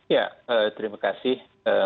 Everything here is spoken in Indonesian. ya terima kasih